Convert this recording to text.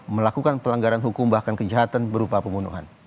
melakukan pelanggaran hukum bahkan kejahatan berupa pembunuhan